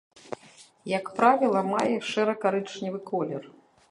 Як правіла, мае шэра-карычневы колер.